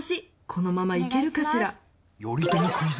このままいけるかしら？